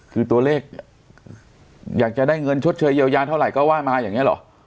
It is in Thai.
คือตัวเลขอยากจะได้เงินชดเชยเยียวยาเท่าไหร่ก็ว่ามาอย่างนี้หรอ